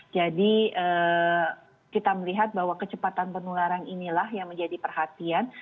jadi kita melihat bahwa kecepatan penularan inilah yang menjadi perhatian